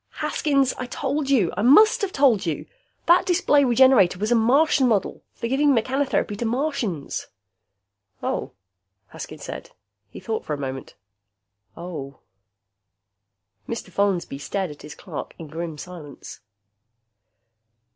"Haskins, I told you. I must have told you! That display Regenerator was a Martian model. For giving mechanotherapy to Martians." "Oh," Haskins said. He thought for a moment. "Oh." Mr. Follansby stared at his clerk in grim silence.